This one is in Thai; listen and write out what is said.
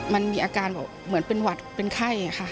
มันมีอาการแบบเหมือนเป็นหวัดเป็นไข้ค่ะ